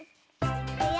いくよ。